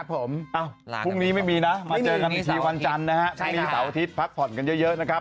เอ้าคือคือไปนี้ไม่มีนะไปเจอกันที่สำหรับวันจังนะครับ